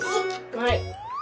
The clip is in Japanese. はい。